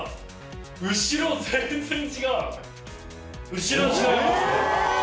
後ろ違いますね。